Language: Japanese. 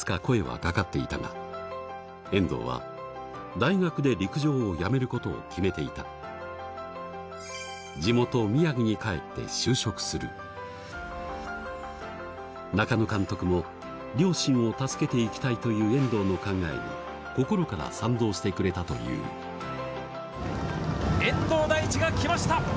声は掛かっていたが遠藤は大学で陸上をやめることを決めていた地元宮城に帰って就職する中野監督も両親を助けて行きたいという遠藤の考えに心から賛同してくれたという遠藤大地が来ました！